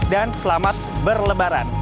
dan selamat berlebaran